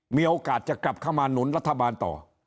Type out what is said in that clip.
มีโอกาสจะกลับเข้ามาหนุนรัฐบาลต่อ